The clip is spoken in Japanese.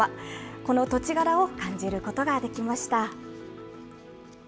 この土地柄を感じることができました。